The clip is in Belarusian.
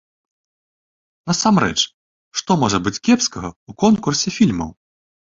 Насамрэч, што можа быць кепскага ў конкурсе фільмаў?